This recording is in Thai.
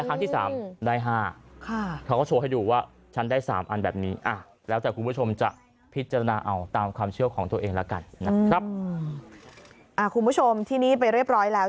เอาตามความเชื่อของตัวเองแล้วกันครับอ่าคุณผู้ชมที่นี้ไปเรียบร้อยแล้ว